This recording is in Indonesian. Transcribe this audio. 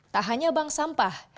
tak hanya bank sampah